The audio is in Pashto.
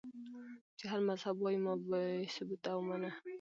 چې هر مذهب وائي ما بې ثبوته اومنه